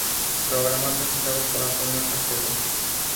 Programa presentado por Antonio Castelo.